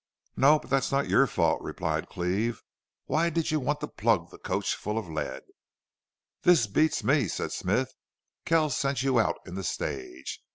"No. But that's not your fault," replied Cleve. "Why did you want to plug the coach full of lead?" "This beats me," said Smith. "Kells sent you out in the stage!